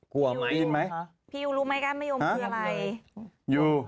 หัวไหมพี่ยูรู้ไหมก้านมะยมคืออะไรฮะยู